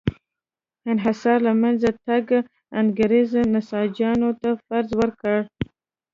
انحصار له منځه تګ انګرېز نساجانو ته فرصت ورکړ.